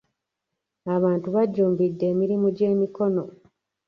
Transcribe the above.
Abantu bajjumbidde emirimu gy’emikono.